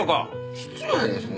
失礼ですね。